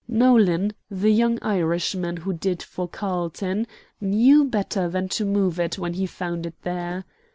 Nolan, the young Irishman who "did for" Carlton, knew better than to move it when he found it there.